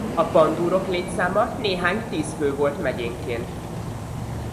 A pandúrok létszáma néhány tíz fő volt megyénként.